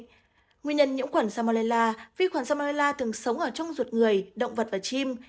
nguyên nhân nhiễm khuẩn salmonella vi khuẩn salmerla thường sống ở trong ruột người động vật và chim